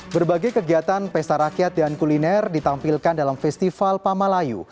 berbagai kegiatan pesta rakyat dan kuliner ditampilkan dalam festival pamalayu